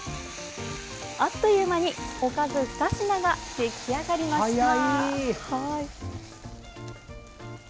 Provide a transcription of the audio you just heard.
あっという間におかず２品が出来上がりました。